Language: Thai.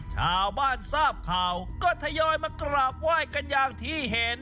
ชาวบ้านทราบข่าวก็ทยอยมากราบไหว้กันอย่างที่เห็น